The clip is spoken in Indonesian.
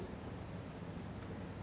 kemudian saya menersangkakan